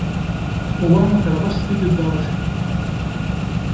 Wa ukreɣ-as-t-id i Dda Racid.